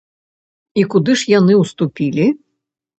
І куды ж яны ўступілі?